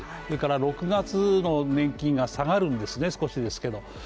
それから６月の年金が下がるんですね、少しですけど。